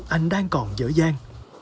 anh đang còn dở gian